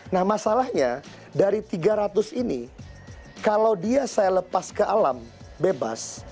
nah masalahnya dari tiga ratus ini kalau dia saya lepas ke alam bebas